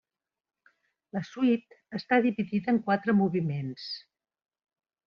La suite està dividida en quatre moviments.